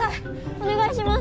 お願いします！